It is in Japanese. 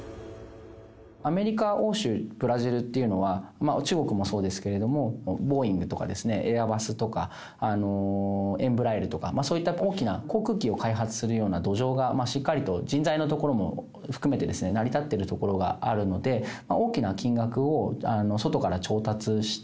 アメリカ、欧州、ブラジルっていうのは、中国もそうですけれども、ボーイングとかですとか、エアバスとかエンブラエルとか、そういった大きな航空機を開発するような土壌がしっかりと、人材のところも含めて成り立っているところがあるので、大きな金額を外から調達して、